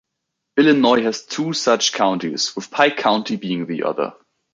Illinois has two such counties, with Pike County being the other.